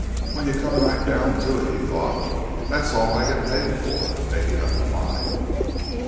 When you come right down to it, he thought, _that's all I get paid for making up my mind.